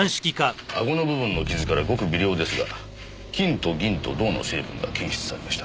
あごの部分の傷からごく微量ですが金と銀と銅の成分が検出されました。